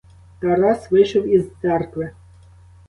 Тарас вийшов із церкви.